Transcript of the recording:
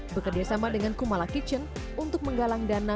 bekerjasama dengan kumala kitchen untuk menggalang dana